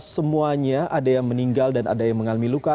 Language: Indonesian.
semuanya ada yang meninggal dan ada yang mengalami luka